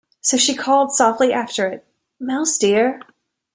So she called softly after it, ‘Mouse dear!’